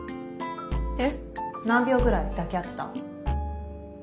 えっ？何秒ぐらい抱き合ってた？